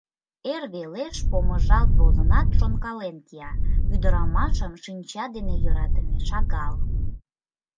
Эр велеш помыжалт возынат, шонкален кия: «Ӱдырамашым шинча дене йӧратыме шагал.